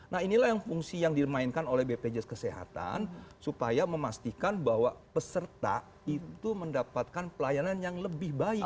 nah inilah yang fungsi yang dimainkan oleh bpjs kesehatan supaya memastikan bahwa peserta itu mendapatkan pelayanan yang lebih baik